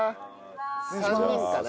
３人かな？